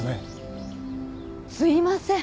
すみません。